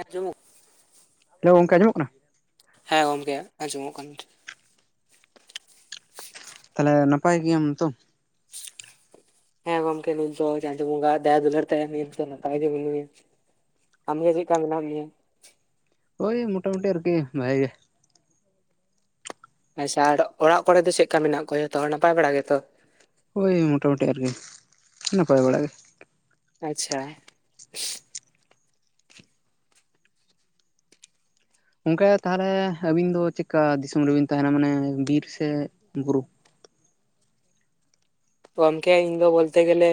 ᱟᱸᱡᱩᱢᱩᱜ hello ᱜᱚᱝᱠᱮ ᱟᱸᱡᱚᱢᱚᱜ ᱠᱟᱱᱟ? ᱦᱮᱸ ᱜᱚᱝᱠᱮ ᱟᱡᱚᱢᱚᱜ ᱠᱟᱱ ᱜᱮ ᱾ ᱛᱟᱦᱞᱮ ᱱᱟᱯᱟᱭ ᱜᱮᱭᱟᱢ ᱛᱚ? ᱦᱮᱸ ᱜᱚᱢᱠᱮ ᱱᱤᱛ ᱫᱚ ᱪᱟᱸᱫᱩ ᱢᱩᱸᱜᱟᱣᱟᱜ ᱫᱟᱭᱟ ᱫᱩᱞᱟᱹᱲ ᱛᱮ ᱱᱤᱛ ᱫᱚ ᱱᱟᱯᱟᱭ ᱜᱮ ᱢᱤᱱᱟᱹᱧᱟ ᱸ ᱟᱢᱜᱮ ᱪᱮᱜ ᱠᱟ ᱢᱤᱱᱟᱜ ᱢᱮᱭᱟ? ᱳᱭ ᱢᱩᱴᱟᱢᱩᱴᱤ ᱟᱨᱠᱤ ᱵᱷᱟᱜᱮᱹ ᱜᱮ ᱾ ᱟᱪᱪᱷᱟ ᱟᱲ ᱚᱲᱟᱜ ᱠᱚᱲᱮ ᱫᱚ ᱪᱮᱜ ᱠᱟ ᱢᱮᱱᱟᱜ ᱠᱚᱣᱟ ᱡᱚᱛᱚ ᱦᱚᱲ ᱱᱟᱯᱟᱭ ᱵᱟᱲᱟ ᱜᱮᱛᱚ? ᱦᱳᱭ ᱢᱚᱴᱟᱢᱩᱴᱤ ᱟᱨᱠᱤ ᱱᱟᱯᱟᱭ ᱵᱟᱲᱟᱜ ᱜᱮ᱾ ᱟᱪᱷᱟ ᱥᱤ ᱚᱝᱠᱟ ᱛᱟᱦᱚᱞᱮ ᱟᱹᱵᱤᱱ ᱫᱚ ᱪᱮᱫᱠᱟ ᱫᱤᱥᱚᱢ ᱨᱮᱵᱤᱱ ᱛᱟᱦᱮᱱᱟ ᱢᱟᱱᱮ ᱵᱤᱨ ᱥᱮ ᱵᱩᱨᱩ? ᱜᱚᱝᱠᱮ ᱤᱧ ᱫᱚ ᱵᱚᱞ ᱛᱮ ᱜᱮᱞᱮ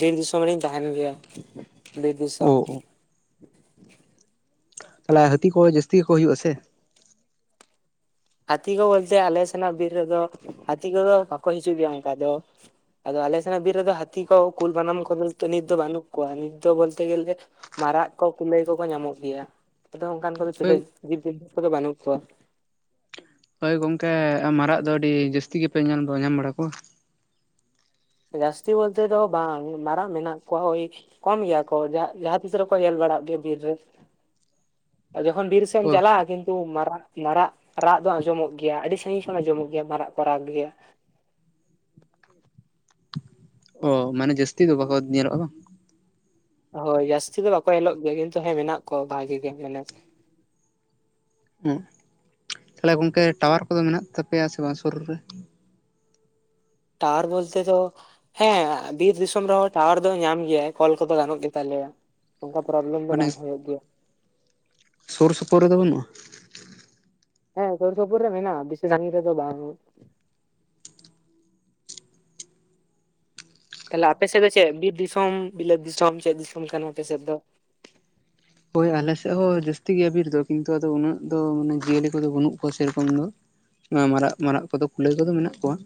ᱵᱤᱨ ᱫᱤᱥᱚᱢ ᱨᱮᱧ ᱛᱟᱦᱮᱱ ᱜᱮᱭᱟ ᱵᱤᱨ ᱚ ᱫᱤᱥᱚᱢ᱾ ᱚ ᱛᱟᱦᱚᱞᱮ ᱦᱟᱹᱛᱤ ᱠᱚ ᱡᱟᱹᱥᱛᱤ ᱜᱮᱠᱚ ᱦᱩᱭᱩᱜᱼᱟ ᱥᱮ? ᱦᱟᱹᱛᱤ ᱠᱚ ᱵᱚᱞᱛᱮ ᱟᱞᱮ ᱥᱮᱱᱟᱜ ᱵᱤᱨ ᱨᱮᱫᱚ ᱦᱟᱹᱛᱤ ᱠᱚᱫᱚ ᱵᱟᱠᱚ ᱦᱤᱡᱩᱜ ᱜᱮᱭᱟ ᱚᱱᱠᱟ ᱫᱚ᱾ ᱟᱫᱚ ᱟᱞᱮ ᱥᱮᱱᱟᱜ ᱵᱤᱨ ᱨᱮᱫᱚ ᱦᱟᱹᱛᱤ ᱠᱚ ᱠᱩᱞ ᱵᱟᱱᱟᱢ ᱠᱚᱫᱚ ᱱᱤᱛ ᱫᱚ ᱵᱟᱹᱱᱩᱜ ᱠᱚᱣᱟ ᱱᱤᱛ ᱫᱚ ᱵᱚᱞᱛᱮ ᱜᱮᱞᱮᱼᱼ ᱢᱟᱨᱟᱜ ᱠᱚ ᱠᱩᱞᱟᱹᱭ ᱠᱚᱠᱚ ᱧᱟᱢᱚᱜ ᱜᱮᱭᱟ, ᱟᱫᱚ ᱚᱝᱠᱟᱱ ᱠᱚᱫᱚ ᱦᱳᱭ ᱡᱤᱵᱽ ᱡᱚᱱᱛᱩ ᱠᱚᱫᱚ ᱵᱟᱹᱱᱩᱜ ᱠᱚᱣᱟ ᱾ ᱦᱳᱭ ᱜᱚᱝᱠᱮ ᱢᱟᱨᱟᱜ ᱫᱚ ᱟᱹᱰᱤ ᱡᱟᱹᱥᱛᱤ ᱜᱮᱯᱮ ᱧᱮᱞ ᱵᱟ ᱧᱟᱢ ᱵᱟᱲᱟ ᱠᱚᱣᱟ ᱾ ᱡᱟᱹᱥᱛᱤ ᱵᱚᱞᱛᱮ ᱫᱚ ᱵᱟᱝ ᱢᱟᱨᱟᱜ ᱢᱮᱱᱟᱜ ᱠᱚᱣᱟ ᱦᱳᱭ ᱾ ᱠᱚᱢ ᱜᱮᱭᱟ ᱠᱚ ᱡᱟᱦᱟᱸ ᱡᱟᱸᱦᱟ ᱛᱤᱥ ᱨᱮᱠᱚ ᱧᱮᱞ ᱵᱟᱲᱟᱜ ᱜᱮᱭᱟ ᱵᱤᱨ ᱨᱮ, ᱡᱚᱠᱷᱚᱱ ᱵᱤᱨ ᱥᱮ ᱦᱚᱭ ᱚ ᱪᱟᱞᱟᱜᱼᱟ ᱠᱤᱱᱼᱼ ᱛᱩ ᱢᱟᱨᱟᱜ ᱢᱟᱨᱟᱜ ᱨᱟᱜ ᱫᱚ ᱟᱸᱡᱚᱢᱚᱜ ᱜᱮᱭᱟ ᱟᱹᱰᱤ ᱥᱟᱹᱜᱤᱧ ᱠᱷᱚᱱ ᱟᱸᱡᱚᱢᱚᱜ ᱜᱮᱭᱟ ᱢᱟᱨᱟᱜ ᱠᱚ ᱨᱟᱜ ᱜᱮᱭᱟ ᱾ ᱚ ᱢᱟᱱᱮ ᱡᱟᱹᱥᱛᱤ ᱫᱚ ᱵᱟᱠᱚ ᱧᱮᱞᱚᱜᱼᱟ ᱵᱟᱝ ᱾ ᱦᱳᱭ ᱡᱟᱹᱥᱛᱤ ᱫᱚ ᱵᱟᱠᱚ ᱧᱮᱞᱚᱜ ᱜᱮᱭᱟ, ᱠᱤᱱᱛᱩ ᱦᱮᱸ ᱢᱮᱱᱟᱜ ᱠᱚᱣᱟ ᱵᱷᱟᱜᱤ ᱜᱮ ᱢᱟᱱᱮᱼᱼ ᱦᱩᱸ ᱛᱟᱦᱚᱞᱮ ᱜᱚᱝᱠᱮ ᱴᱟᱣᱟᱨ ᱠᱚᱫᱚ ᱢᱮᱱᱟᱜ ᱛᱟᱯᱮᱭᱟ ᱥᱮ ᱵᱟᱝ ᱥᱩᱨ ᱨᱮ? ᱴᱟᱣᱟᱨ ᱵᱚᱞᱛᱮ ᱫᱚᱼᱼ ᱦᱮᱸ ᱵᱤᱨ ᱫᱤᱥᱚᱢ ᱨᱮᱦᱚᱸ ᱴᱟᱣᱟᱨ ᱫᱚ ᱧᱟᱢ ᱜᱮᱭᱟᱭ ᱠᱚᱞ ᱠᱚᱫᱚ ᱜᱟᱱᱚᱜ ᱜᱮᱛᱟᱞᱮᱭᱟ ᱾ ᱚᱱᱠᱟ ᱯᱨᱚᱵᱽᱞᱮᱢ ᱫᱚ ᱢᱟᱱᱮ ᱵᱟᱝ ᱦᱩᱭᱩᱜ ᱜᱮᱭᱟ ᱾ ᱥᱩᱨ ᱥᱩᱯᱩᱨ ᱨᱮᱫᱚ ᱵᱟᱹᱱᱩᱜᱼᱟ? ᱦᱮᱸ ᱥᱩᱨ ᱥᱩᱯᱩᱨ ᱨᱮ ᱢᱮᱱᱟᱜᱼᱟ, ᱵᱤᱥᱤ ᱥᱟᱸᱜᱤᱧ ᱨᱮᱫᱚ ᱵᱟᱝ ᱾ ᱛᱟᱦᱚᱞᱮ ᱟᱯᱮ ᱥᱮᱫ ᱫᱚ ᱪᱮᱫ, ᱵᱤᱨ ᱫᱤᱥᱚᱢ ᱵᱤᱞᱟᱹᱛ ᱫᱤᱥᱚᱢ ᱪᱮᱫ ᱫᱤᱥᱚᱢ ᱠᱟᱱᱟ ᱟᱯᱮ ᱥᱮᱫ ᱫᱚ? ᱦᱳᱭ ᱟᱞᱮ ᱥᱮᱫ ᱦᱚᱸ ᱡᱟᱹᱥᱛᱤ ᱜᱮᱭᱟ ᱵᱤᱨ ᱫᱚ, ᱠᱤᱱᱛᱩ ᱟᱫᱚ ᱩᱱᱟᱹᱜ ᱫᱚ ᱢᱟᱱᱮ ᱡᱤᱭᱟᱹᱞᱤ ᱠᱚᱫᱚ ᱵᱟᱹᱱᱩᱜ ᱠᱚᱣᱟ ᱾ ᱥᱮᱨᱚᱠᱚᱢ ᱫᱚ ᱦᱮᱸ ᱢᱟᱨᱟᱜ ᱢᱟᱨᱟᱜ ᱠᱚᱫᱚ ᱠᱩᱞᱟᱹᱭ ᱠᱚᱫᱚ ᱢᱮᱱᱟᱜ ᱠᱚᱣᱟ ᱾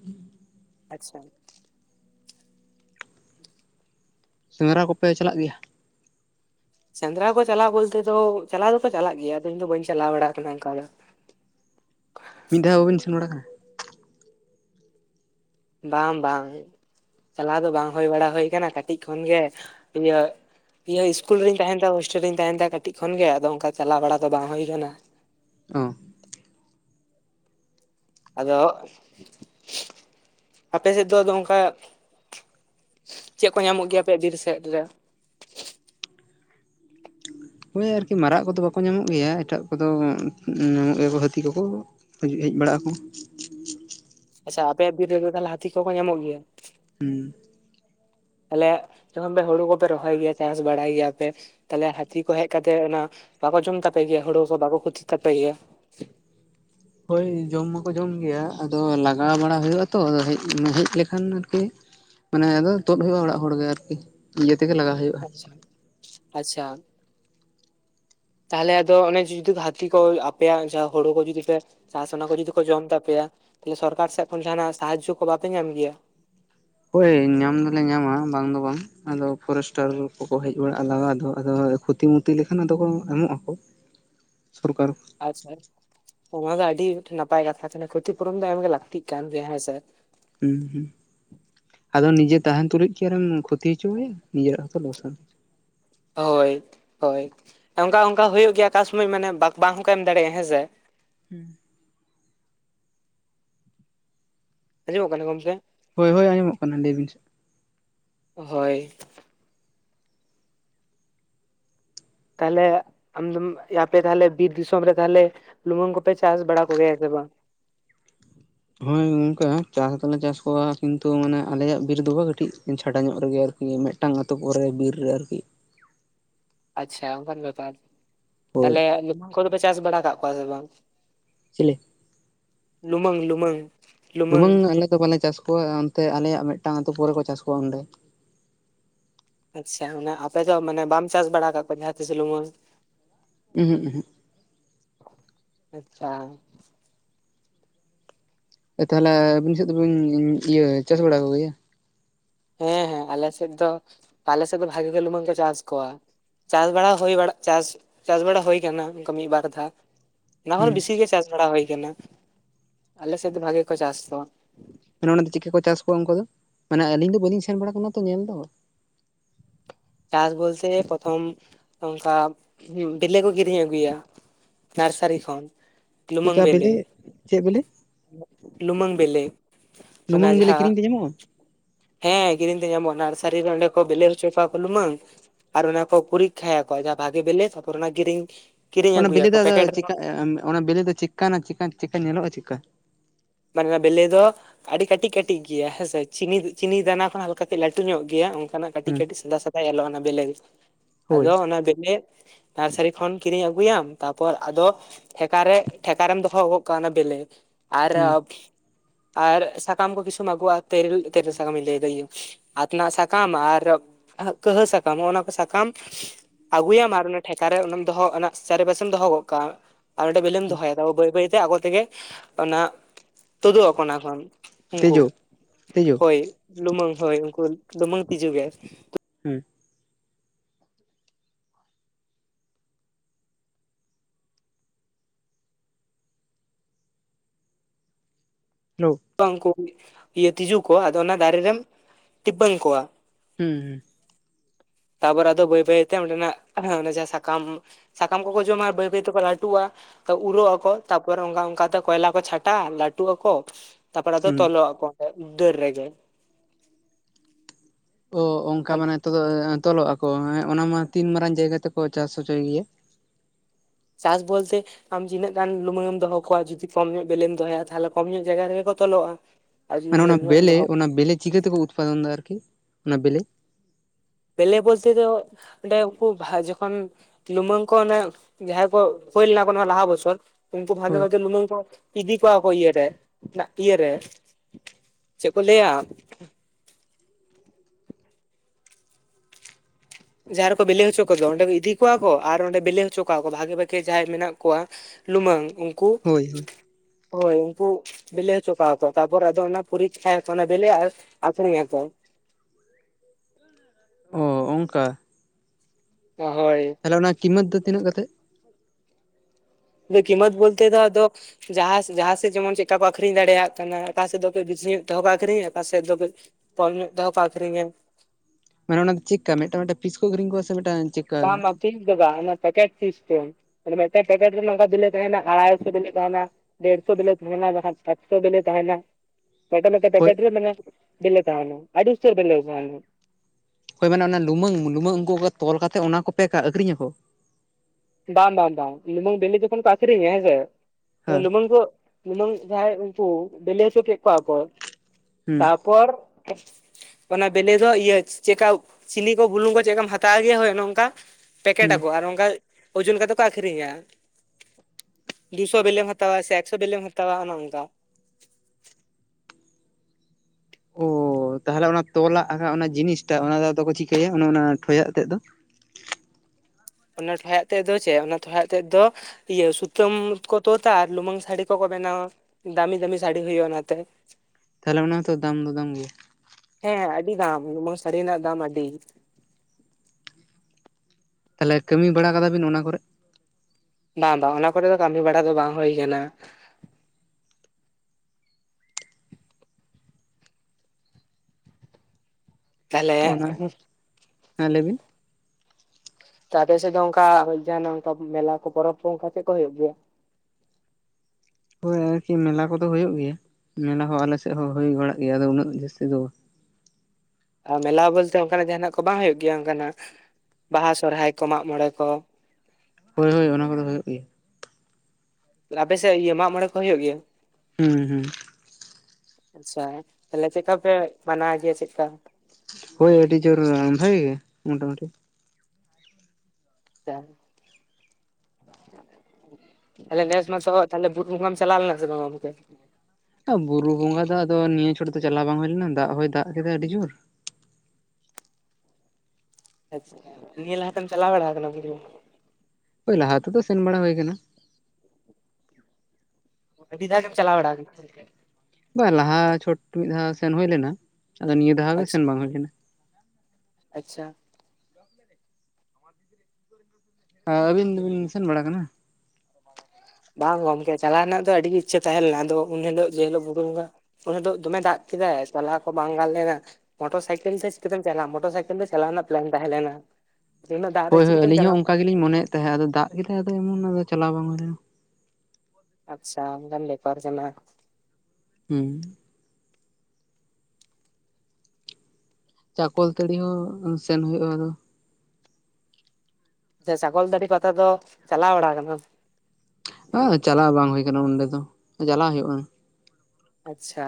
ᱟᱪᱪᱷᱟ ᱾ ᱥᱮᱸᱫᱽᱨᱟ ᱠᱚᱯᱮ ᱪᱟᱞᱟᱜ ᱜᱮᱭᱟ? ᱥᱮᱸᱫᱽᱨᱟ ᱠᱚ ᱪᱟᱞᱟᱣ ᱵᱚᱞᱛᱮ ᱫᱚ, ᱪᱟᱞᱟᱣ ᱫᱚᱠᱚ ᱪᱟᱞᱟᱜ ᱜᱮᱭᱟ ᱟᱫᱚ ᱤᱧ ᱫᱚ ᱵᱟᱹᱧ ᱪᱟᱞᱟᱣ ᱵᱟᱲᱟᱣ ᱠᱟᱱᱟ ᱚᱝᱠᱟ ᱫᱚ ᱾ ᱢᱤᱫ ᱫᱷᱟᱣ ᱦᱚᱸ ᱵᱟᱵᱤᱱ ᱥᱮᱱ ᱵᱟᱲᱟ ᱟᱠᱟᱱᱟ ᱾ ᱵᱟᱝ ᱵᱟᱝ ᱪᱟᱞᱟᱣ ᱫᱚ ᱵᱟᱝ ᱦᱩᱭ ᱵᱟᱲᱟ ᱦᱩᱭ ᱠᱟᱱᱟ ᱠᱟᱹᱴᱤᱡ ᱠᱷᱚᱱᱜᱮ, ᱤᱭᱟᱹᱜᱼᱼ ᱤᱭᱟᱹ ᱤᱥᱠᱩᱞ ᱨᱮᱧ ᱛᱟᱦᱮᱱ ᱛᱚ ᱦᱳᱥᱴᱮᱞ ᱨᱮᱧ ᱛᱟᱦᱮᱱ ᱛᱮ ᱠᱟᱹᱴᱤᱡ ᱠᱷᱚᱱ ᱜᱮ, ᱟᱫᱚ ᱚᱱᱠᱟ ᱪᱟᱞᱟᱣ ᱵᱟᱲᱟ ᱫᱚ ᱵᱟᱝ ᱦᱩᱭ ᱠᱟᱱᱟ ᱾ ᱦᱚᱸ ᱟᱫᱚ ᱟᱯᱮ ᱥᱮᱫ ᱫᱚ ᱟᱫᱚ ᱚᱝᱠᱟᱼᱼ ᱪᱮᱫ ᱠᱚ ᱧᱟᱢᱚᱜ ᱜᱮᱭᱟ ᱟᱯᱮ ᱵᱤᱨ ᱥᱮᱫ ᱨᱮ? ᱦᱳᱭ ᱟᱨᱠᱤ ᱢᱟᱨᱟᱜ ᱠᱚᱫᱚ ᱵᱟᱠᱚ ᱧᱟᱢᱚᱜ ᱜᱮᱭᱟ, ᱮᱴᱟᱜ ᱠᱚᱫᱚ ᱧᱟᱢᱚᱜ ᱜᱮᱭᱟ ᱦᱟᱹᱛᱤ ᱠᱚᱠᱚ ᱾ ᱦᱤᱡᱩᱜ ᱦᱮᱡ ᱵᱟᱲᱟᱜ ᱟᱠᱚ ᱾ ᱟᱪᱪᱷᱟ ᱟᱯᱮᱭᱟᱜ ᱵᱤᱨ ᱨᱮᱫᱚ ᱛᱟᱦᱚᱞᱮ ᱦᱟᱹᱛᱤ ᱠᱚᱠᱚ ᱧᱟᱢᱚᱜ ᱜᱮᱭᱟ ᱾ ᱦᱩᱸ ᱛᱟᱦᱚᱞᱮ ᱡᱚᱠᱷᱚᱱ ᱯᱮ ᱦᱩᱲᱩ ᱠᱚᱯᱮ ᱨᱚᱦᱚᱭ ᱜᱮᱭᱟ ᱪᱟᱥ ᱵᱟᱲᱟᱭ ᱜᱮᱭᱟ ᱯᱮᱼᱼ ᱛᱟᱦᱚᱞᱮ ᱦᱟᱹᱛᱤ ᱠᱚ ᱦᱮᱡ ᱠᱟᱛᱮᱜ ᱚᱱᱟ ᱵᱟᱠᱚ ᱡᱚᱢ ᱛᱟᱯᱮ ᱜᱮᱭᱟ ᱦᱩᱲᱩ ᱠᱚ ᱵᱟᱠᱚ ᱠᱷᱚᱛᱤ ᱛᱟᱯᱮ ᱜᱮᱭᱟ ᱾ ᱦᱳᱭ ᱡᱚᱢ ᱢᱟᱠᱚ ᱡᱚᱢ ᱜᱮᱭᱟ, ᱟᱫᱚ ᱞᱟᱜᱟ ᱵᱟᱲᱟ ᱦᱩᱭᱩᱜ ᱟᱛᱚ ᱟᱫᱚ ᱦᱮᱡ ᱞᱮᱠᱷᱟᱱ ᱟᱨᱠᱤᱼᱼ ᱢᱟᱱᱮ ᱟᱫᱚ ᱛᱩᱫ ᱦᱩᱭᱩᱜᱼᱟ ᱚᱲᱟᱜ ᱦᱚᱲ ᱜᱮ ᱟᱨᱠᱤ ᱤᱭᱟᱹ ᱛᱮᱜᱮ ᱞᱟᱜᱟ ᱦᱩᱭᱩᱜ ᱾ ᱟᱪᱷᱟ [unintelligible] ᱟᱪᱪᱷᱟ [inaudible] ᱛᱟᱦᱚᱞᱮ ᱟᱫᱚ ᱚᱱᱮ ᱡᱩᱫᱤ ᱦᱟᱹᱛᱤ ᱠᱚ ᱟᱯᱮᱭᱟᱜ ᱡᱟᱸᱦᱟ ᱦᱩᱲᱩ ᱠᱚ ᱡᱩᱫᱤ ᱯᱮᱼᱼ ᱪᱟᱥ ᱚᱱᱟ ᱠᱚ ᱡᱩᱫᱤ ᱠᱚ ᱡᱚᱢ ᱛᱟᱯᱮᱭᱟ, ᱛᱟᱦᱚᱞᱮ ᱥᱚᱨᱠᱟᱨ ᱥᱮᱫ ᱠᱷᱚᱱ ᱡᱟᱦᱟᱱᱟᱜ ᱥᱟᱦᱟᱡᱽᱡᱚ ᱠᱚ ᱵᱟᱯᱮ ᱧᱟᱢ ᱜᱮᱭᱟ᱾ ᱦᱳᱭ ᱧᱟᱢ ᱫᱚᱞᱮ ᱧᱟᱢᱟ ᱵᱟᱝ ᱫᱚ ᱵᱟᱝ ᱾ ᱟᱫᱚ ᱯᱷᱚᱨᱮᱥᱴᱟᱨ ᱠᱚᱠᱚ ᱦᱮᱡ ᱵᱟᱲᱟᱜ ᱞᱟᱜᱟ, ᱟᱫᱚ ᱟᱫᱚ ᱠᱷᱚᱛᱤ ᱢᱚᱛᱤ ᱞᱮᱠᱷᱟᱱ ᱟᱫᱚ ᱠᱚ ᱮᱢᱚᱜ ᱟᱠᱚ ᱾ ᱥᱚᱨᱠᱟᱨ ᱾ ᱟᱪᱪᱷᱟ, ᱚᱱᱟ ᱫᱚ ᱟᱹᱰᱤ ᱱᱟᱯᱟᱭ ᱠᱟᱛᱷᱟ ᱠᱟᱱᱟ ᱠᱷᱚᱛᱤᱯᱩᱨᱚᱱ ᱫᱚ ᱮᱢᱜᱮ ᱞᱟᱹᱠᱛᱤᱜ ᱠᱟᱱ ᱜᱮᱭᱟ ᱦᱮᱸ ᱥᱮ ᱾ ᱦᱩᱸ ᱦᱩᱸ ᱟᱫᱚ ᱱᱤᱡᱮ ᱛᱟᱦᱮᱱ ᱛᱩᱞᱩᱡ ᱜᱮ ᱟᱨᱮᱢ ᱠᱷᱚᱛᱤ ᱦᱚᱪᱩᱣᱟᱭᱟ ᱱᱤᱡᱮᱨᱟᱜ ᱦᱚᱛᱚ ᱞᱚᱠᱥᱟᱱ ᱾ ᱦᱚᱭ, ᱦᱚᱭ ᱾ ᱚᱱᱠᱟ ᱚᱱᱠᱟ ᱦᱩᱭᱩᱜ ᱜᱮᱭᱟ ᱚᱠᱟ ᱥᱚᱢᱚᱭ ᱢᱟᱱᱮ ᱵᱟᱝ ᱦᱚᱸᱠᱚ ᱮᱢ ᱫᱟᱲᱮᱭᱟᱜ-ᱟ ᱦᱮᱸ ᱥᱮ ᱦᱮᱸ ᱟᱸᱡᱚᱢᱚᱜ ᱠᱟᱱᱟ ᱜᱚᱢᱠᱮ? ᱦᱳᱭ ᱦᱳᱭᱸᱡᱚᱢᱚᱜ ᱠᱟᱱᱟ ᱞᱟᱹᱭ ᱵᱤᱱ ᱥᱮᱫ ᱦᱳᱭ ᱛᱟᱦᱚᱞᱮ ᱟᱢᱫᱚᱢ ᱟᱯᱮ ᱛᱟᱦᱚᱞᱮ ᱵᱤᱨ ᱫᱤᱥᱚᱢ ᱨᱮ ᱛᱟᱦᱚᱞᱮ ᱞᱩᱢᱟᱹᱝ ᱠᱚᱯᱮ ᱪᱟᱥ ᱵᱟᱲᱟ ᱠᱚᱜᱮᱭᱟ ᱥᱮ ᱵᱟᱝ? ᱦᱳᱭ ᱜᱚᱝᱠᱮ ᱪᱟᱥ ᱫᱚᱞᱮ ᱪᱟᱥ ᱠᱚᱣᱟ ᱠᱤᱱᱛᱩ ᱢᱟᱱᱮ ᱟᱞᱮᱭᱟᱜ ᱵᱤᱨ ᱫᱚ ᱵᱟᱝ ᱠᱟᱹᱴᱤᱡ ᱪᱷᱟᱰᱟ ᱧᱚᱜ ᱨᱮᱜᱮᱭᱟ ᱟᱨᱠᱤ ᱢᱤᱫᱴᱟᱝ ᱟᱛᱳ ᱯᱚᱨᱮ ᱵᱤᱨ ᱨᱮ ᱟᱨᱠᱤ ᱟᱪᱪᱷᱟ ᱚᱱᱠᱟᱱ ᱠᱟᱛᱷᱟ ᱦᱳᱭ ᱛᱟᱦᱞᱮ ᱞᱩᱢᱟᱝ ᱠᱚᱫᱚᱯᱮ ᱪᱟᱥ ᱵᱟᱲᱟ ᱠᱟᱜ ᱠᱚᱣᱟ ᱥᱮ ᱵᱟᱝ? ᱪᱮᱞᱤ ᱞᱩᱢᱟᱹᱝ ᱞᱩᱢᱟᱹᱝ ᱞᱩᱢᱟᱹᱝ ᱟᱞᱮ ᱫᱚ ᱵᱟᱞᱮ ᱪᱟᱥ ᱠᱚᱣᱟ ᱚᱱᱛᱮ ᱟᱞᱮᱭᱟᱜ ᱢᱤᱫᱴᱟᱝ ᱟ ᱟᱹᱛᱳ ᱯᱚᱨᱮ ᱠᱚ ᱪᱟᱥ ᱠᱚᱣᱟ ᱚᱸᱰᱮ ᱟᱪᱪᱷᱟ ᱚᱱᱟ ᱟᱯᱮ ᱫᱚ ᱢᱟᱱᱮ ᱵᱟᱢ ᱪᱟᱥ ᱵᱟᱲᱟ ᱠᱟᱫ ᱠᱚᱣᱟ ᱡᱟᱦᱟᱸ ᱛᱤᱥ ᱞᱩᱢᱟᱹᱝ ᱮᱦᱸ ᱮᱮᱸ [inaudible] ᱟᱪᱪᱷᱟ ᱛᱟᱦᱚᱞᱮ ᱟᱹᱵᱤᱱ ᱥᱮᱫ ᱫᱚᱵᱤᱱ ᱤᱭᱟᱹ ᱪᱟᱥ ᱵᱟᱲᱟ ᱠᱚᱜᱮᱭᱟ᱾ ᱦᱮᱸ ᱦᱮᱸ ᱟᱞᱮ ᱥᱮᱫ ᱫᱚ ᱟᱞᱮ ᱥᱮᱫ ᱫᱚ ᱵᱷᱟᱜᱤ ᱞᱩᱢᱟᱹᱝ ᱠᱚ ᱪᱟᱥ ᱠᱚᱣᱟ᱾ ᱪᱟᱥ ᱵᱟᱲᱟ ᱦᱩᱭ ᱵᱟ ᱪᱟᱥ ᱪᱟᱥ ᱵᱟᱲᱟ ᱦᱩᱭ ᱠᱟᱱᱟ ᱚᱱᱠᱟ ᱢᱤᱫ ᱵᱟᱨ ᱫᱷᱟᱣ ᱚᱱᱟ ᱵᱮᱥᱤ ᱜᱮ ᱪᱟᱥ ᱵᱟᱲᱟ ᱦᱩᱭ ᱠᱟᱱᱟ ᱟᱞᱮ ᱥᱮᱫ ᱫᱚ ᱵᱷᱟᱜᱮ ᱠᱚ ᱪᱟᱥ ᱠᱚᱣᱟ ᱢᱟᱱᱮ ᱚᱱᱟ ᱫᱚ ᱪᱤᱠᱟᱹ ᱠᱚ ᱪᱟᱥ ᱠᱚᱣᱟ ᱩᱱᱠᱩ ᱫᱚ ᱢᱟᱱᱮ ᱟᱞᱤᱧ ᱫᱚ ᱵᱟᱹᱞᱤᱧ ᱥᱮᱱ ᱵᱟᱲᱟ ᱠᱟᱱᱟ ᱛᱚ ᱧᱮᱞ ᱫᱚ ᱪᱟᱥ ᱵᱚᱞᱛᱮ ᱯᱨᱚᱛᱷᱚᱢ ᱚᱱᱠᱟ ᱵᱮᱞᱮ ᱠᱚ ᱠᱤᱨᱤᱧ ᱟᱹᱜᱩᱭᱟ᱾ ᱱᱟᱨᱥᱟᱨᱤ ᱠᱷᱚᱱ ᱞᱩᱢᱚᱝ ᱵᱮᱞᱮ ᱪᱮᱫ ᱵᱮᱞᱮ ᱞᱩᱢᱚᱝ ᱵᱮᱞᱮ ᱚᱱᱟ ᱞᱩᱢᱚᱝ ᱵᱮᱞᱮ ᱡᱟᱦᱟᱸ ᱠᱤᱨᱤ ᱛᱮ ᱧᱟᱢ-ᱟ? ᱦᱮᱸ ᱠᱤᱨᱤᱧ ᱛᱮ ᱧᱟᱢᱚᱜ-ᱟ ᱱᱟᱨᱥᱟᱨᱤ ᱚᱸᱰᱮ ᱠᱚ ᱵᱮᱞᱮ ᱪᱚᱯᱷᱟ ᱞᱩᱢᱚᱹᱝ ᱵᱟᱝ ᱟᱨ ᱚᱱᱟ ᱠᱚ ᱯᱩᱨᱤᱠᱷᱟ ᱭᱟᱠᱚ ᱡᱟᱦᱟᱸ ᱵᱷᱟᱜᱤ ᱵᱮᱞᱮ ᱥᱯᱚᱨᱱᱟ ᱜᱤᱨᱝ ᱚᱱᱟ ᱵᱤᱞᱤ ᱫᱚ ᱟᱫᱚ ᱪᱮ ᱚᱱᱟ ᱵᱹᱤᱞᱤ ᱫᱚ ᱪᱠᱟᱱᱟ ᱪᱮᱠᱟ ᱧᱮᱞᱚᱜ-ᱟ ᱪᱮᱫᱠᱟ ᱢᱟᱱᱮ ᱱᱟ ᱵᱮᱞᱮ ᱫᱚ ᱟᱹᱰᱤ ᱠᱟᱹᱴᱤᱡ ᱠᱟᱹᱴᱤᱡ ᱜᱮᱭᱟ ᱦᱮᱸᱥᱮ ᱪᱤᱱᱤ ᱫᱟᱱᱟ ᱠᱷᱚᱱ ᱦᱟᱞᱠᱟ ᱠᱟᱡ ᱞᱟᱹᱴᱩ ᱧᱚᱜ ᱜᱮᱭᱟ᱾ ᱠᱟᱹᱴᱤᱡ ᱦᱮᱸ ᱠᱟᱹᱴᱤᱤᱡ ᱥᱚᱫᱟ ᱥᱚᱫᱟᱭ ᱮᱞ ᱚᱱᱟ ᱵᱮᱞᱮ ᱦᱳᱭ ᱟᱫᱚ ᱚᱱᱟ ᱵᱮᱞᱮ ᱱᱟᱨᱥᱟᱨᱤ ᱠᱷᱚᱱ ᱠᱤᱨᱤᱧ ᱟᱹᱜᱩᱭᱟᱢ ᱛᱟᱨᱯᱚᱨ ᱟᱫᱚ ᱴᱷᱮᱠᱟ ᱴᱷᱮᱠᱟᱨᱮᱢ ᱫᱚᱯᱷᱷᱟᱜ ᱠᱟᱱᱟ ᱵᱮᱞᱮ ᱟᱨ ᱦᱩᱸ ᱟᱨ ᱥᱟᱠᱟᱢ ᱠᱚ ᱠᱤᱪᱷᱩᱢ ᱟᱹᱜᱩ-ᱟ ᱛᱮᱨᱮᱞ ᱛᱮᱨᱮᱞ ᱥᱟᱠᱟᱢᱧ ᱞᱟᱹᱭᱫᱟ ᱤᱭᱟᱹ ᱟᱛᱱᱟᱜ ᱥᱟᱠᱟᱢ ᱟᱨ ᱠᱟᱹᱦᱟᱸ ᱥᱟᱠᱟᱢ ᱦᱚᱸᱜᱼ ᱱᱟ ᱠᱚ ᱥᱟᱠᱟᱢ ᱟᱹᱜᱩᱭᱟᱢ ᱟᱨ ᱚᱱᱟ ᱴᱷᱮᱠᱟ ᱚᱱᱟᱢ ᱫᱚᱦᱚ ᱚᱱᱟ ᱪᱟᱨᱮᱯᱟᱥᱮᱢ ᱫᱚᱦᱚ ᱠᱚᱫ ᱠᱟᱜ-ᱟ᱾ ᱟᱨ ᱢᱤᱫᱴᱮᱡ ᱵᱤᱞᱮᱢ ᱫᱚᱦᱚᱭᱟ ᱛᱚ ᱵᱟᱹᱭ ᱵᱟᱹᱭᱛᱮ ᱟᱠᱚ ᱛᱮᱜᱮ ᱚᱱᱟ ᱛᱩᱫᱩᱜ ᱟᱠᱟᱱᱟ ᱠᱷᱚᱱ ᱩᱱᱠᱩ ᱛᱮᱡᱳ ᱛᱮᱡᱳ ᱦᱳᱭ ᱞᱩᱢᱟᱹᱝ ᱦᱳᱭ ᱩᱱᱠᱩ ᱞᱩᱢᱟᱹᱝ ᱛᱤᱡᱩᱜ ᱜᱮ ᱦᱮᱸ ᱦᱮᱞᱳ ᱵᱟᱝ ᱩᱱᱠᱩ ᱤᱭᱟᱹ ᱛᱤᱡᱩ ᱠᱚ ᱟᱫᱚ ᱚᱱᱟ ᱫᱟᱨᱮ ᱨᱮᱢ ᱴᱤᱯᱟᱹᱝ ᱠᱚᱣᱟ ᱦᱩᱸ ᱦᱩᱸ ᱛᱟᱯᱚᱨ ᱟᱫᱚ ᱵᱟᱹᱭ ᱵᱟᱹᱭ ᱛᱮ ᱚᱸᱰᱮᱱᱟᱜ ᱡᱟ ᱥᱟᱠᱟᱢ ᱥᱟᱠᱟᱢ ᱠᱚᱠᱚ ᱡᱚᱢᱟ ᱵᱟᱹᱭ ᱵᱟᱹᱭ ᱛᱮᱠᱚ ᱞᱟᱹᱴᱩᱜ-ᱟ᱾ ᱛᱚ ᱩᱨᱚᱜ ᱟᱠᱚ ᱛᱟᱨᱯᱚᱨᱮ ᱚᱱᱠᱟ ᱚᱱᱠᱟᱛᱮ ᱠᱚᱭᱞᱟ ᱠᱚ ᱪᱷᱟᱴᱟᱜ-ᱟ ᱞᱟᱹᱴᱩᱜ ᱟᱠᱚ, ᱛᱟᱯᱚᱨᱮ ᱟᱫᱚ ᱦᱩᱸ ᱛᱚᱞᱚ ᱟᱠ ᱠᱚ ᱫᱟᱹᱨ ᱨᱮᱜᱮ᱾ ᱚ ᱚᱱᱠᱟ ᱢᱟᱱᱮ ᱛᱚᱞᱚᱜ ᱟᱠᱚ ᱦᱮ ᱚᱱᱟ ᱢᱟ ᱛᱤᱱ ᱢᱟᱨᱟᱝ ᱡᱟᱭᱜᱟ ᱛᱮᱠᱚ ᱪᱟᱥ ᱦᱚᱪᱚᱭ ᱜᱮᱭᱟ᱾ ᱪᱟᱥ ᱵᱚᱞᱛᱮ ᱟᱢ ᱡᱤᱱᱟᱹ ᱜᱟᱱ ᱞᱩᱢᱟᱹᱝ ᱮᱢ ᱫᱚᱦᱚ ᱠᱚᱣᱟ ᱡᱩᱫᱤ ᱠᱚᱢ ᱧᱚᱜ ᱵᱮᱞᱮᱢ ᱫᱚᱦᱚᱭᱟ ᱛᱟᱦᱚᱞᱮ ᱠᱚᱢ ᱧᱚᱜ ᱡᱟᱭᱜᱟ ᱨᱮᱜᱮ ᱛᱚᱞᱚᱜ-ᱟ᱾ ᱢᱟᱱᱮ ᱚᱱᱟ ᱵᱮᱞᱮ ᱚᱱᱟ ᱵᱮᱞᱮ ᱪᱤᱠᱟᱹ ᱛᱮᱠᱚ ᱩᱛᱯᱟᱫᱚᱱ ᱮᱫᱟ ᱟᱨᱠᱤ ᱚᱱᱟ ᱵᱮᱞᱮ ᱵᱮᱞᱮ ᱵᱚᱞᱛᱮ ᱫᱚᱚ ᱚᱸᱰᱮ ᱩᱱᱠᱩ ᱡᱚᱠᱷᱚᱱ ᱞᱩᱢᱟᱹᱝ ᱠᱚ ᱚᱱᱮ ᱡᱟᱦᱟᱸᱭ ᱠᱚ ᱦᱩᱭᱳ ᱞᱮᱱᱟ ᱠᱚ ᱞᱟᱦᱟ ᱵᱚᱪᱷᱚᱨ ᱩᱱᱠᱩ ᱵᱷᱟᱜᱮ ᱦᱳᱭ ᱵᱷᱟᱜᱮ ᱞᱩᱢᱟᱹᱝ ᱠᱚ ᱤᱫᱤ ᱠᱚᱣᱟ ᱠᱚ ᱤᱭᱟᱹᱨᱮ ᱤᱭᱟᱹᱨᱮ ᱪᱮᱫ ᱠᱚ ᱞᱟᱹᱭᱟ ᱡᱟᱦᱟᱸ ᱨᱮᱠᱚ ᱵᱤᱞᱤ ᱦᱚᱪᱚ ᱠᱚᱣᱟ ᱚᱸᱰᱮ ᱠᱚ ᱤᱫᱤ ᱠᱚᱣᱟ ᱠᱚ ᱟᱨ ᱚᱸᱰᱮ ᱵᱤᱞᱤ ᱦᱚᱪᱚ ᱠᱚᱣᱟ ᱠᱚ ᱵᱷᱟᱜᱤ ᱵᱷᱟᱜᱤ ᱡᱟᱦᱟᱸᱭ ᱢᱮᱱᱟᱜ ᱠᱚᱣᱟ᱾ ᱞᱩᱢᱟᱹᱝ ᱩᱱᱠᱩ ᱦᱳᱭ ᱦᱳᱭ ᱦᱳᱭ ᱩᱱᱠᱩ ᱵᱮᱞᱮ ᱦᱚᱪᱚ ᱠᱚᱣᱟᱛᱚ ᱛᱟᱨᱯᱚᱨ ᱟᱫᱚ ᱚᱱᱟ ᱯᱚᱨᱤ ᱵᱞᱮ ᱟᱠᱷᱨᱤᱧᱟᱠᱚ ᱚ ᱚᱱᱠᱟ? ᱦᱳᱭ ᱛᱟᱦᱚᱞᱮ ᱚᱱᱟ ᱠᱤᱢᱚᱛ ᱫᱚ ᱛᱤᱱᱟᱹᱜ ᱠᱟᱛᱮᱫ? ᱠᱤᱢᱛ ᱵᱚᱞᱛᱮ ᱟᱫᱚ ᱡᱟᱦᱟᱸ ᱡᱟᱦᱟᱸ ᱥᱮᱫ ᱡᱮᱢᱚᱱ ᱪᱮᱫᱠᱟ ᱠᱚ ᱟᱹᱠᱷᱨᱤᱧ ᱫᱟᱲᱮᱭᱟᱜ ᱠᱟᱱᱟ ᱚᱠᱟ ᱥᱮᱫ ᱫᱚ ᱵᱤᱥᱤ ᱛᱮᱦᱚᱸ ᱠᱚ ᱟᱠᱷᱨᱤᱧᱟ ᱚᱠᱟ ᱥᱮᱫ ᱫᱚ ᱠᱟᱢ ᱧᱳᱜ ᱛᱮᱦᱚ ᱟᱠᱷᱨᱤᱧ ᱮᱱ ᱢᱟᱱᱮ ᱚᱱᱟ ᱫᱚ ᱪᱮᱫᱠᱟ ᱢᱤᱫᱴᱟᱝ ᱯᱤᱥ ᱠᱚ ᱟᱹᱨᱤ ᱠᱚᱣᱟ ᱥᱮ ᱪ ᱵᱟᱝ ᱵᱟᱝ ᱪᱮᱠ ᱫᱚ ᱵᱟᱝ ᱯᱮᱠᱮᱴ ᱥᱤᱥᱴᱮᱢ [unintelligible] [unintelligible] ᱢᱮᱴ ᱢᱮᱴ ᱦᱳᱭ ᱯᱮᱠᱮᱴ ᱨᱮ ᱢᱟᱱᱮ ᱵᱤᱞᱮ ᱛᱟᱦᱮᱱᱟ ᱟᱹᱰᱤ ᱩᱥᱛᱟᱨ ᱵᱮᱞᱮ ᱛᱟᱦᱮᱱᱟ ᱦᱳᱭ ᱢᱟᱱᱮ ᱚᱱᱟ ᱞᱩᱢᱟᱹᱝ ᱞᱩᱢᱟᱹᱝ ᱩᱱᱠᱩ ᱠᱚ ᱛᱚᱞ ᱠᱟᱛᱮᱫ ᱚᱱᱟ ᱠᱚ ᱯᱮ ᱠᱟᱜ ᱟᱠᱷᱨᱤᱧ ᱟᱠᱠᱚ ᱵᱟᱝ ᱵᱟᱝ ᱵᱟᱝ ᱞᱩᱢᱩᱝ ᱫᱤᱞᱤ ᱡᱚᱠᱷᱚᱱ ᱟᱠᱷᱨᱤᱧ ᱦᱮᱸᱥᱮ ᱦᱮᱸ ᱞᱩᱢᱩᱝ ᱠᱚ ᱞᱩᱢᱟᱝ ᱡᱟᱦᱟᱸᱭ ᱩᱱᱠᱩ ᱵᱮᱞᱤ ᱦᱚᱪᱩ ᱠᱮᱫ ᱠᱚᱣᱟ ᱦᱩᱸ ᱛᱟᱯᱚᱨ ᱚᱱᱟ ᱵᱮᱞᱮ ᱫᱚ ᱤᱭᱟᱹ ᱪᱮᱫᱠᱟ ᱪᱤᱱᱤ ᱠᱚ ᱵᱩᱞᱩᱝ ᱠᱚ ᱪᱮᱫᱠᱟᱢ ᱦᱟᱛᱟᱣ ᱜᱮᱭᱟ ᱦᱳᱭᱚᱱ ᱱᱚᱝᱠᱟ ᱯᱮᱠᱮᱴ ᱦᱩᱸ ᱟᱠᱚ ᱟᱨ ᱱᱚᱝᱠᱟ ᱡᱩᱱ ᱠᱟᱛᱮᱫ ᱠᱚ ᱟᱠᱠᱷᱨᱤᱧᱟ ᱫᱩᱥᱚ ᱵᱮᱞᱮᱢ ᱦᱟᱛᱟᱣᱟ ᱥᱮ ᱮᱠᱥᱚ ᱵᱮᱞᱮ ᱮᱢ ᱦᱟᱛᱟᱣᱟ ᱟᱱᱟ ᱚᱝᱠᱟ ᱚ ᱛᱟᱦᱚᱞᱮ ᱚᱱᱟ ᱛᱚᱞᱟᱜ ᱟᱠᱟ ᱚᱱᱟ ᱡᱤᱱᱤᱥᱴᱟ ᱚᱱᱟ ᱫᱚ ᱟᱫᱚ ᱠᱚ ᱪᱤᱠᱟᱹᱭᱟ ᱚᱱᱟ ᱴᱷᱚᱡᱭᱟ ᱟ ᱛᱮᱫ ᱫᱚ ᱚᱱᱟ ᱴᱷᱚᱲᱟ ᱟ ᱛᱮᱫ ᱫᱚ ᱪᱮᱫ ᱚᱱᱟ ᱴᱷᱚᱲᱟ ᱟ ᱛᱮᱫ ᱫᱚ ᱤᱭᱟᱹ ᱥᱩᱛᱟᱹᱢ ᱠᱚ ᱛᱩᱫᱟ ᱟᱨ ᱞᱩᱢᱟᱹᱝ ᱥᱟᱹᱲᱤ ᱠᱚᱠᱚ ᱵᱮᱱᱟᱣᱟ ᱫᱟᱹᱢᱤ ᱫᱟᱹᱢᱤ ᱥᱟᱹᱲᱤ ᱦᱩᱭᱩᱜ-ᱟ ᱚᱱᱟᱛᱮ ᱛᱟᱦᱚᱞᱮ ᱚᱱᱟ ᱦᱚᱸᱛᱚ ᱫᱟᱢ ᱫᱚ ᱫᱟᱢ ᱜᱮᱭᱟ᱾ ᱦᱮᱸ ᱟᱹᱰᱤ ᱫᱟᱢ ᱞᱩᱢᱚᱹᱝ ᱥᱟᱹᱲᱤ ᱨᱮᱱᱟᱜ ᱫᱟᱢ ᱟᱹᱰᱤ ᱛᱟᱦᱚᱞᱮ ᱠᱟᱹᱢᱤ ᱵᱟᱲᱟ ᱠᱟᱫᱟ ᱵᱤᱱ ᱚᱱᱟ ᱠᱚᱨᱮ ᱵᱟᱝ ᱵᱟᱝ ᱚᱱᱟ ᱠᱚᱨᱮ ᱫᱚ ᱠᱟᱹᱢᱤ ᱵᱟᱲᱟ ᱫᱚ ᱵᱟᱝ ᱦᱩᱭ ᱠᱟᱱᱟ᱾ ᱛᱟᱦᱚᱞᱮ ᱦᱮ ᱞᱟᱹᱭ ᱟᱵᱤᱱ ᱛᱚ ᱟᱯᱮᱥᱮᱫ ᱚᱱᱠᱟ ᱡᱟᱦᱟ ᱚᱱᱠᱟ ᱢᱮᱞᱟ ᱠᱚ ᱯᱚᱨᱚᱵᱽ ᱠᱚ ᱚᱱᱠᱟ ᱪᱮᱫ ᱠᱚ ᱦᱩᱭᱩᱜ ᱜᱮᱭᱟ᱾ ᱦᱳᱭ ᱟᱨᱠᱤ ᱢᱮᱞᱟ ᱠᱚᱫᱚ ᱦᱩᱭᱩᱜ ᱜᱮᱭᱟ ᱢᱮᱞᱟ ᱦᱚᱸ ᱟᱞᱮ ᱥᱮᱫ ᱦᱚᱸ ᱦᱩᱭ ᱵᱟᱲᱟᱜ ᱜᱮᱭᱟ ᱟᱫᱚ ᱩᱱᱟᱹᱜ ᱡᱟᱹᱥᱛᱤ ᱫᱚ ᱟᱨ ᱢᱮᱞᱟ ᱵᱚᱞᱛᱮ ᱚᱱᱠᱟᱱᱟᱜ ᱡᱟᱦᱟᱱᱟᱜ ᱠᱚ ᱵᱟᱝ ᱦᱩᱭᱩᱜ ᱜᱮᱭᱟ ᱚᱱᱠᱟᱱᱟᱜ ᱵᱟᱦᱟ ᱥᱚᱨᱦᱟᱭ ᱠᱚ ᱢᱟᱜ ᱢᱚᱬᱮ ᱠᱚ ᱦᱚ ᱦᱚ ᱚᱱᱟ ᱠᱚᱫᱚ ᱦᱩᱭᱩᱜ ᱜᱮᱭᱟ᱾ ᱟᱯᱮᱥᱮᱫ ᱤᱭᱟᱹ ᱢᱟᱜ ᱢᱚᱬᱮ ᱠᱚ ᱦᱩᱭᱩᱜ ᱜᱮᱭᱟ᱾ ᱦᱩᱸ ᱦᱩᱸ ᱟᱪᱪᱷᱟ ᱛᱟᱦᱚᱞᱮ ᱪᱮᱫᱠᱟ ᱯᱮ ᱢᱟᱱᱟᱣ ᱜᱮᱭᱟ ᱪᱮᱫᱠᱟ, ᱦᱳᱭ ᱟᱹᱰᱤ ᱡᱳᱨ ᱵᱷᱟᱜᱟ ᱜᱮ ᱢᱚᱴᱟᱢᱩᱴᱤ, [inaudible] ᱛᱟᱦᱞᱮ ᱱᱮᱥ ᱢᱟ ᱥᱚᱦᱚᱫ ᱵᱩᱨᱩ ᱵᱚᱸᱜᱟᱢ. ᱪᱟᱞᱟᱣ ᱞᱮᱱᱟ ᱥᱮ ᱵᱟᱝ ᱜᱳᱢᱠᱮ, ᱵᱩᱨᱩ ᱵᱚᱸᱜᱟ ᱫᱚ ᱟᱫᱚ ᱱᱤᱭᱟᱹ ᱪᱷᱚᱴ ᱫᱚ ᱪᱟᱞᱟᱣ ᱵᱟᱝ ᱦᱩᱭ ᱞᱮᱱᱟ ᱫᱟᱜ ᱦᱚᱭ ᱫᱟᱜ ᱠᱮᱫᱟ ᱟᱹᱰᱤ ᱡᱳᱨ, ᱟᱪᱪᱷᱟ ᱱᱤᱭᱟᱹ ᱞᱟᱦᱟᱛᱮᱢ ᱪᱟᱞᱟᱣ ᱵᱟᱲᱟ ᱟᱠᱟᱱᱟ ᱵᱩᱨᱩ ᱵᱚᱸᱜᱟ, ᱦᱳᱭ ᱞᱟᱦᱟ ᱛᱮᱫᱚ ᱥᱮᱱ ᱵᱟᱲᱟ ᱦᱳᱭ ᱠᱟᱱᱟ ᱟᱹᱰᱤ ᱫᱷᱟᱣ ᱜᱮᱢ ᱪᱞᱟᱣ ᱵᱟᱲᱟ ᱟᱠᱟᱱᱟ ᱥᱮ ᱪᱮᱫ, ᱵᱟᱝ ᱞᱟᱦᱟ ᱪᱷᱚᱴ ᱢᱤᱫ ᱫᱷᱟᱣ ᱥᱮᱱ ᱦᱳᱭ ᱞᱮᱱᱟ ᱟᱫᱚ ᱱᱤᱭᱟᱹ ᱫᱷᱟᱣ ᱜᱮ ᱟᱪᱪᱷᱟ ᱥᱮᱱ ᱵᱟᱝ ᱦᱩᱭ ᱞᱮᱱᱟ ᱟᱪᱪᱷᱟ, ᱟᱹᱵᱤᱱ ᱫᱚᱵᱤᱱ ᱥᱮᱱ ᱵᱟᱲᱟ ᱠᱟᱱᱟ, ᱵᱟᱝ ᱜᱚᱢᱠᱮ ᱪᱟᱞᱟᱣ ᱨᱮᱱᱟᱜ ᱫᱚ ᱟᱹᱰᱤ ᱜᱮ ᱤᱪᱪᱷᱟᱹ ᱛᱟᱦᱮᱸ ᱞᱮᱱᱟ ᱟᱫᱚ ᱩᱱ ᱦᱤᱞᱳᱜ ᱡᱮ ᱦᱤᱞᱳᱜ ᱵᱩᱨᱩ ᱵᱚᱸᱜᱟ, ᱩᱱ ᱦᱤᱞᱚᱜ ᱫᱚᱢᱮ ᱫᱟᱜ ᱠᱮᱫᱟᱭ ᱪᱟᱞᱟ ᱠᱚ ᱵᱟᱝ ᱜᱟᱱ ᱞᱮᱱᱟ, ᱢᱚᱴᱚᱨ ᱥᱟᱭᱠᱮᱞ ᱛᱮ ᱪᱤᱠᱟᱹᱛᱮᱢ ᱪᱟᱞᱟᱜᱼᱟ ᱢᱚᱴᱚᱨ ᱥᱟᱭᱠᱮᱞ ᱛᱮ ᱪᱟᱞᱟᱣ ᱨᱮᱱᱟᱜ ᱯᱞᱮᱱ ᱛᱟᱦᱮᱸ ᱞᱮᱱᱟ, ᱩᱱᱟᱹᱜ ᱫᱟᱜ ᱨᱮ ᱦᱳᱭ ᱦᱳᱭ ᱪᱤᱠᱟᱹᱛᱮᱢ ᱟᱞᱤᱧ ᱦᱚᱸ ᱪᱟᱞᱟᱜᱼᱟ ᱚᱱᱠᱟ ᱜᱮᱞᱤᱧ ᱢᱚᱱᱭᱮᱫ ᱛᱟᱦᱮᱸᱫ ᱟᱫᱚ ᱫᱟᱜ ᱠᱮᱫᱟᱭ ᱟᱫᱚ ᱮᱢᱚᱱ ᱟᱫᱚ ᱪᱟᱞᱟᱣ ᱵᱟᱝ ᱦᱳᱭ ᱞᱮᱱᱟ, ᱟᱪᱪᱷᱟ ᱚᱱᱠᱟᱱ ᱵᱮᱯᱟᱨ ᱠᱟᱱᱟ, ᱦᱩᱸ ᱪᱟᱠᱚᱞ ᱛᱟᱹᱲᱤ ᱦᱚᱸ ᱥᱮᱱ ᱦᱳᱭᱳᱜᱼᱟ ᱟᱫᱚ, ᱟᱪᱪᱷᱟ, ᱪᱟᱠᱚᱞ ᱛᱟᱹᱲᱤ ᱯᱟᱛᱟ ᱫᱚ ᱪᱟᱞᱟᱣ ᱵᱟᱲᱟ ᱠᱟᱱᱟᱢ ᱚ ᱪᱟᱞᱟᱣ ᱵᱟᱝ ᱦᱩᱭ ᱟᱠᱟᱱᱟ ᱚᱸᱰᱮ ᱫᱚ ᱪᱟᱞᱟᱜ ᱦᱩᱭᱩᱜᱼᱟ, ᱟᱪᱪᱷᱟ,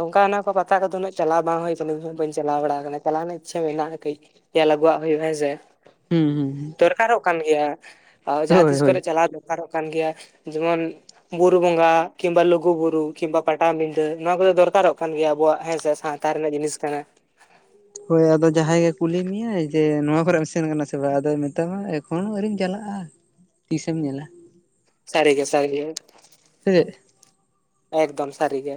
ᱚᱱᱠᱟ ᱚᱱᱟ ᱠᱚ ᱯᱟᱛᱟ ᱠᱚᱫᱚ ᱩᱱᱟᱹᱜ ᱪᱟᱞᱟᱣ ᱵᱟᱝ ᱦᱩᱭ ᱟᱠᱟᱱᱟ ᱤᱧ ᱦᱚᱸ ᱵᱟᱹᱧ ᱪᱟᱞᱟᱣ ᱵᱟᱲᱟ ᱠᱟᱱᱟ ᱪᱟᱞᱟᱣ ᱨᱮᱱᱟᱜ ᱤᱪᱷᱟᱹ ᱢᱮᱱᱟᱜᱼᱟ ᱠᱟᱹᱡ, ᱧᱮᱞ ᱟᱹᱜᱩᱣᱟᱜ ᱦᱩᱭᱩᱜᱼᱟ ᱦᱮᱸ ᱥᱮ, ᱦᱩᱸ ᱦᱩᱸ ᱦᱩᱸ ᱫᱚᱨᱠᱟᱨᱚᱜ ᱠᱟᱱ ᱜᱮᱭᱟ ᱟᱫᱚ ᱡᱟᱦᱟᱸ ᱛᱤᱥ ᱦᱳᱭ ᱠᱚᱨᱮ ᱪᱟᱞᱟᱣ ᱫᱚ, ᱫᱚᱨᱠᱟᱨᱚᱜ ᱠᱟᱱ ᱜᱮᱭᱟ ᱡᱮᱢᱚᱱ ᱵᱩᱨᱩ ᱵᱚᱸᱜᱟ ᱠᱤᱢᱵᱟ ᱞᱩᱜᱩ ᱵᱩᱨᱩ, ᱠᱤᱢᱵᱟ ᱯᱟᱴᱟ ᱵᱤᱰᱟᱹ ᱱᱚᱣᱟ ᱠᱚᱫᱚ ᱫᱚᱨᱠᱟᱨᱚᱜ ᱠᱟᱱ ᱜᱮᱭᱟ ᱟᱵᱚᱣᱟᱜ ᱦᱮᱸᱥᱮ ᱥᱟᱶᱛᱟ ᱨᱮᱱᱟᱜ ᱡᱤᱱᱤᱥ ᱠᱟᱱᱟ, ᱦᱳᱭ ᱟᱫᱚ ᱡᱟᱦᱟᱸᱭ ᱜᱮ ᱠᱩᱞᱤ ᱢᱮᱭᱟᱭ ᱡᱮ ᱱᱚᱣᱟ ᱠᱚᱨᱮ ᱮᱢ ᱥᱮᱱ ᱠᱟᱱᱟ ᱥᱮ ᱵᱟᱝ ᱟᱫᱚᱭ ᱢᱮᱛᱟᱢᱟ ᱮᱠ ᱮᱠᱷᱚᱱᱳ ᱟᱹᱣᱨᱤᱢ ᱪᱟᱞᱟᱜᱼᱟ ᱛᱤᱥᱮᱢ ᱧᱮᱞᱟ, ᱥᱟᱹᱨᱤ ᱜᱮ ᱥᱟᱹᱨᱤ ᱜᱮ, ᱥᱮ ᱪᱮᱫ ᱮᱠᱫᱚᱢ ᱥᱟᱹᱨᱤ ᱜᱮ,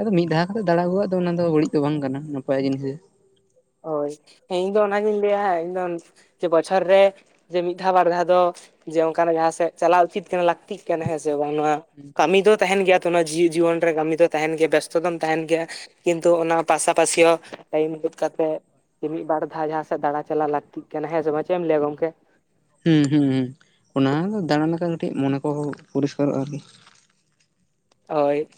ᱟᱫᱚ ᱢᱤᱫ ᱫᱷᱟᱣ ᱠᱟᱛᱮ ᱫᱟᱲᱟ ᱟᱹᱜᱩᱣᱟᱜ ᱫᱚ ᱚᱱᱟ ᱫᱚ ᱵᱟᱹᱲᱤᱡ ᱫᱚ ᱵᱟᱝ ᱠᱟᱱᱟ ᱱᱟᱯᱟᱭ ᱡᱤᱱᱤᱥ ᱜᱮ, ᱦᱳᱭ ᱦᱮᱸ ᱤᱧ ᱫᱚ ᱚᱱᱟᱜᱤᱧ ᱞᱟᱹᱭᱟ ᱤᱧᱫᱚ ᱡᱮ ᱵᱚᱪᱷᱚᱨ ᱨᱮ, ᱡᱮ ᱢᱤᱫ ᱫᱷᱟᱣ ᱵᱟᱨ ᱫᱷᱟᱣ ᱫᱚ ᱡᱮ ᱚᱱᱠᱟᱱᱟᱜ ᱡᱟᱦᱟᱸ ᱥᱮᱫ ᱪᱟᱞᱟᱣ ᱩᱪᱤᱛ ᱠᱟᱱᱟ ᱞᱟᱹᱠᱛᱤᱜ ᱠᱟᱱᱟ ᱦᱮᱸ ᱥᱮ ᱵᱟᱝ ᱱᱚᱣᱟ, ᱠᱟᱹᱢᱤ ᱫᱚ ᱛᱟᱦᱮᱸᱱ ᱜᱮᱭᱟ ᱛᱚ ᱚᱱᱟ ᱡᱤᱭᱤᱫ ᱡᱤᱭᱚᱱ ᱨᱮ ᱠᱟᱹᱢᱤ ᱫᱚ ᱛᱟᱦᱮᱸᱱ ᱜᱮᱭᱟ ᱵᱮᱥᱛᱚ ᱫᱚᱢ ᱛᱟᱦᱮᱸᱱ ᱜᱮᱭᱟ, ᱠᱤᱱᱛᱩ ᱚᱱᱟ ᱯᱟᱥᱟ ᱯᱟᱥᱤ ᱦᱚᱸ ᱴᱟᱭᱤᱢ ᱠᱚᱫᱚ, ᱠᱟᱛᱮᱜ ᱡᱮ ᱢᱤᱫ ᱵᱟᱨ ᱫᱷᱟᱣ ᱡᱟᱦᱟᱸ ᱥᱮᱫ ᱫᱟᱬᱟ ᱪᱟᱞᱟᱣ ᱞᱟᱹᱠᱛᱤᱜ ᱠᱟᱱᱟ ᱦᱮᱸ ᱥᱮ ᱵᱟᱝ ᱪᱮᱫ ᱮᱢ ᱞᱟᱹᱭᱟ ᱜᱚᱝᱠᱮ, ᱦᱩᱸ ᱦᱩᱸ ᱦᱩᱸ ᱚᱱᱟ ᱦᱚᱸ ᱫᱟᱬᱟᱱ ᱞᱮᱠᱟ ᱠᱟᱹᱴᱤᱡ ᱢᱚᱱᱮ ᱠᱚ ᱯᱚᱨᱤᱥᱠᱟᱨᱚᱜᱼᱟ ᱟᱨᱠᱤ, ᱦᱳᱭ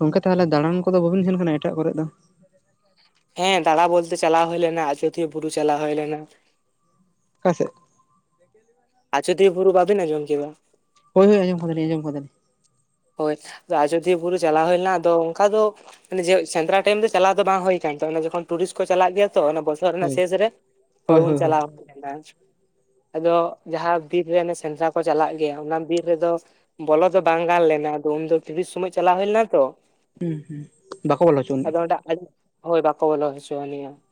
ᱜᱚᱢᱠᱮ ᱛᱟᱦᱚᱞᱮ ᱫᱟᱬᱟᱱ ᱠᱚᱫᱚ ᱵᱟᱵᱤᱱ ᱥᱮᱱ ᱠᱟᱱᱟ ᱮᱴᱟᱜ ᱠᱚᱨᱮᱜ ᱫᱚ, ᱦᱮᱸ ᱫᱟᱬᱟ ᱵᱚᱞᱛᱮ ᱪᱟᱞᱟᱣ ᱦᱩᱭ ᱞᱮᱱᱟ ᱟᱡᱚᱫᱤᱭᱟᱹ ᱵᱩᱨᱩ ᱪᱟᱞᱟᱣ ᱦᱳᱭ ᱞᱮᱱᱟ, ᱚᱠᱟ ᱥᱮᱫ [inaudible] ᱟᱡᱚᱫᱤᱭᱟᱹ ᱵᱩᱨᱩ ᱵᱟᱵᱤᱱ ᱟᱡᱚᱢ ᱠᱮᱭᱟ ᱦᱳᱭ ᱦᱳᱭ ᱟᱡᱚᱢ ᱠᱟᱫᱟᱞᱤᱧ ᱟᱡᱚᱢ ᱠᱟᱫᱟᱞᱤᱧ ᱦᱳᱭ ᱟᱫᱚ ᱟᱡᱚᱫᱤᱭᱟᱹ ᱵᱩᱨᱩ ᱪᱟᱞᱟᱣ ᱦᱩᱭ ᱞᱮᱱᱟ ᱟᱫᱚ ᱚᱱᱠᱟ ᱫᱚ ᱚᱱᱮ ᱡᱮ ᱥᱮᱸᱫᱽᱨᱟ ᱴᱟᱭᱤᱢ ᱫᱚ ᱪᱟᱞᱟᱣ ᱫᱚ ᱵᱟᱝ ᱦᱩᱭ ᱠᱟᱱᱟᱱ ᱛᱟᱦᱮ ᱚᱱᱮ ᱡᱚᱠᱷᱚᱱ ᱴᱩᱨᱤᱥᱴ ᱠᱚ ᱪᱟᱞᱟᱜ ᱜᱮᱭᱟ ᱛᱚ ᱚᱱᱮ ᱞᱚᱥ ᱨᱮᱱᱟᱜ ᱦᱳᱭ ᱥᱮᱥ ᱨᱮ ᱛᱚ ᱦᱳᱭ ᱩᱱ ᱦᱳᱭ ᱦᱳᱭ ᱪᱟᱞᱟᱣ ᱦᱩᱭ ᱞᱮᱱ ᱛᱟᱦᱮᱫ ᱟᱫᱚ ᱡᱟᱦᱟᱸ ᱵᱤᱨ ᱨᱮ ᱚᱱᱮ ᱥᱮᱸᱫᱽᱨᱟ ᱠᱚ ᱪᱟᱞᱟᱜ ᱜᱮᱭᱟ ᱚᱱᱟ ᱵᱤᱨ ᱨᱮᱫᱚ ᱵᱚᱞᱚ ᱫᱚ ᱵᱟᱝ ᱜᱟᱱ ᱞᱮᱱᱟ ᱟᱫᱚ ᱩᱱᱫᱚ ᱴᱩᱨᱤᱥ ᱥᱚᱢᱚᱭ ᱪᱟᱞᱟᱣ ᱦᱩᱭ ᱞᱮᱱᱟ ᱛᱚ ᱦᱩᱸ ᱦᱩᱸ ᱵᱟᱠᱚ ᱵᱚᱞᱚ ᱦᱚᱪᱚ ᱟᱱᱤᱡ ᱟᱫᱚ ᱚᱸᱰᱮ ᱟᱡ ᱦᱳᱭ ᱵᱟᱠᱚ ᱵᱚᱞᱚ ᱦᱚᱪᱚ ᱟᱞᱮᱭᱟ